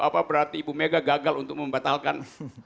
apa berarti ibu mega gagal untuk membatalkan